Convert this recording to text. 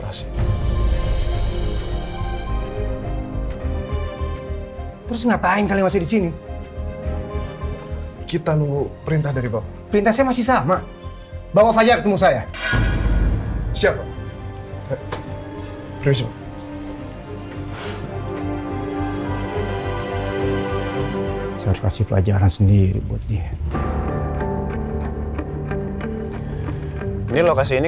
harusnya gua yang tanya lu ngapain disini